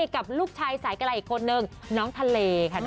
กับลูกชายสายกระลาอีกคนนึงน้องทะเลค่ะ